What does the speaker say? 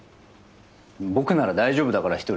僕なら大丈夫だから一人で。